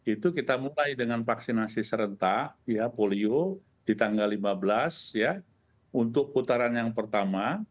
itu kita mulai dengan vaksinasi serentak ya polio di tanggal lima belas ya untuk putaran yang pertama